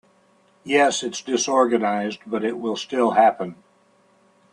Yes, it’s disorganized but it will still happen.